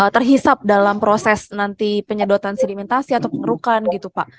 terhisap dalam proses nanti penyedotan sedimentasi atau pengerukan gitu pak